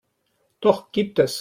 Doch gibt es.